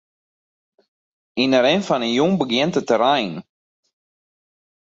Yn 'e rin fan 'e jûn begjint it te reinen.